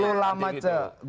jadi pertanyaan saya